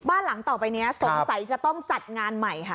หลังต่อไปนี้สงสัยจะต้องจัดงานใหม่ค่ะ